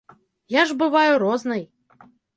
Я ж бываю рознай.